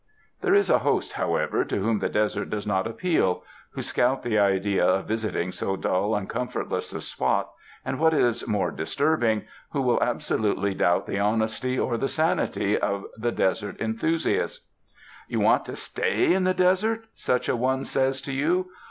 There is a host, however, to whom the desert does not appeal, who scout the idea of visiting so dull and comfortless a spot, and what is more disturb ing, who will absolutely doubt the honesty or the sanity of the desert enthusiast. "You want to stay in the desert?" such a one says to you.